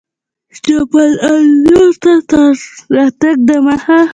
جبل النور ته تر راتګ دمخه.